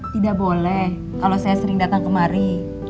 tidak boleh kalau saya sering datang kemari